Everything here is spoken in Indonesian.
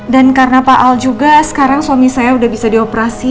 dan karena pak al juga sekarang suami saya udah bisa dioperasi